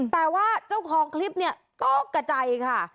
แต่ว่าเจ้าของคลิปเนี่ยตกกระจายค่ะ